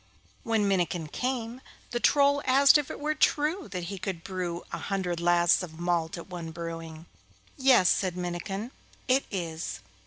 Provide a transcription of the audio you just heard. When Minnikin came, the Troll asked if it were true that he could brew a hundred lasts of malt at one brewing. 'Yes,' said Minnikin, 'it is.